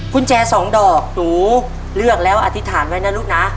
กุญแจสองดอกหนูเลือกแล้วอธิษฐานไว้นะลูกนะ